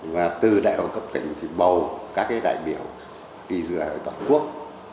và từ đại hội cấp tỉnh thì bầu các đại biểu đi dự đại hội toàn quốc